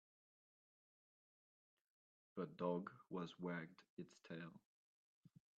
The dog was wagged its tail.